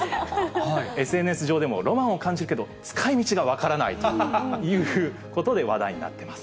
ＳＮＳ上でもロマンを感じるけど、使いみちが分からないということで話題になってます。